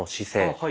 はい。